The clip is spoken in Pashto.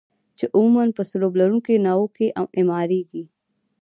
چې عموما په سلوب لرونکو ناوونو کې اعماریږي.